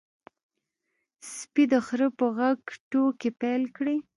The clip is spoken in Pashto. سپي د خره په غږ ټوکې پیل کړې.